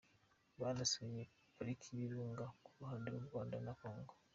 Banasuye pariki y’Ibirunga ku ruhande rw’u Rwanda na Congo.